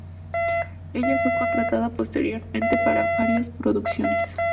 Ella fue contratada posteriormente para varias producciones.